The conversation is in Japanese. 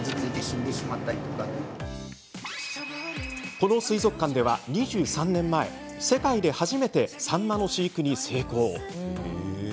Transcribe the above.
この水族館では、２３年前世界で初めてサンマの飼育に成功。